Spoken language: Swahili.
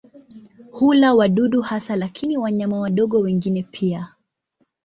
Hula wadudu hasa lakini wanyama wadogo wengine pia.